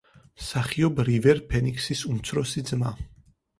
მსახიობ რივერ ფენიქსის უმცროსი ძმა.